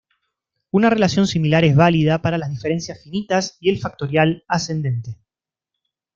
Una relación similar es válida para las diferencias finitas y el factorial ascendente.